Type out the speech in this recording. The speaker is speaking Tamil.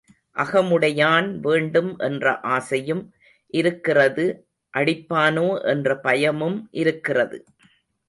அகமுடையான் வேண்டும் என்ற ஆசையும் இருக்கிறது அடிப்பானோ என்ற பயமும் இருக்கிறது.